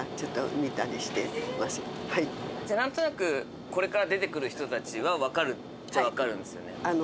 じゃあ何となくこれから出てくる人たちは分かるっちゃ分かるんですよね。